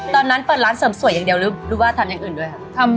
ตอนนั้นเปิดร้านเสริมสวยอย่างเดียวหรือว่าทำอย่างอื่นด้วยครับ